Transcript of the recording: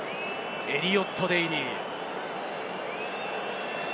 エリオット・デイリーです。